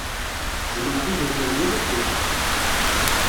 Tjemmɛeḍ idrimen yal ayyur?